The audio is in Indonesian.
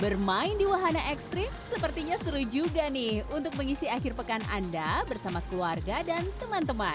bermain di wahana ekstrim sepertinya seru juga nih untuk mengisi akhir pekan anda bersama keluarga dan teman teman